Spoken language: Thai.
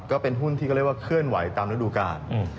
ก็เป็นหุ้นที่ก็เรียกว่าเคลื่อนไหวตามฤดูกาล